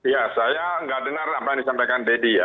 ya saya nggak dengar apa yang disampaikan deddy ya